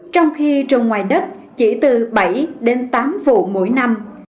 trong khi trồng ngoài đất chỉ từ bảy đến tám vụ mỗi năm